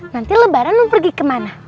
nanti lebaran mau pergi kemana